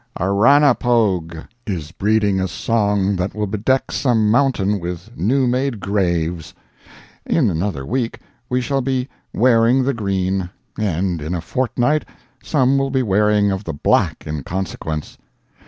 Arrah na Pogque is breeding a song that will bedeck some mountain with new made graves! In another week we shall be "Wearing of the Green," and in a fortnight some will be wearing of the black in consequence.